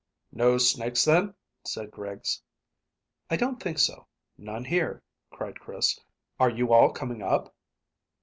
"No snakes, then?" said Griggs. "I don't think so. None here," cried Chris. "Are you all coming up?"